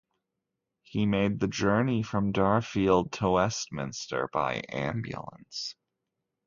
He made the journey from Darfield to Westminster by ambulance.